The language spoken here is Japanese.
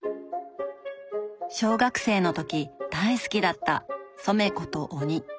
小学生の時大好きだった「ソメコとオニ」。